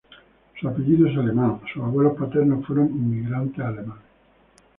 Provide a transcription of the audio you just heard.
Su apellido es alemán y sus abuelos paternos fueron inmigrantes alemanes.